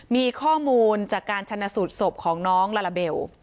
มีข้อมูลจากการชนะสูตรศพของน้องลาลาเบล